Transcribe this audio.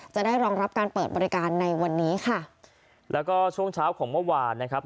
รองรับการเปิดบริการในวันนี้ค่ะแล้วก็ช่วงเช้าของเมื่อวานนะครับ